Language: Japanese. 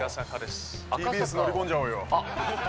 ＴＢＳ乗り込んじゃおうよ。